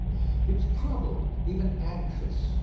He was troubled, even anxious.